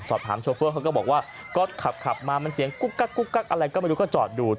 โชเฟอร์เขาก็บอกว่าก็ขับมามันเสียงกุ๊กกักอะไรก็ไม่รู้ก็จอดดู